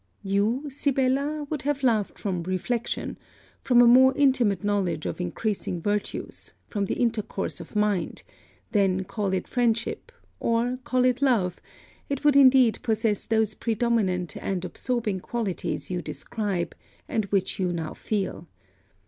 You, Sibella, would have loved from reflection, from a more intimate knowledge of increasing virtues, from the intercourse of mind: then call it friendship, or call it love, it would indeed possess those predominant and absorbing qualities you describe, and which you now feel.